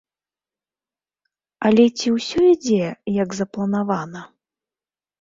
Але ці ўсё ідзе, як запланавана?